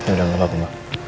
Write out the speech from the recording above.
udah udah umba